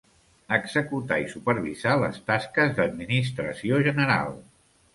Executar i supervisar les tasques d'administració general.